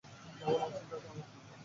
কেমন আছি তাতে তোমার কী?